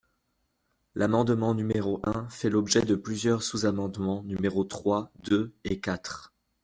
L’amendement numéro un fait l’objet de plusieurs sous-amendements, numéros trois, deux et quatre.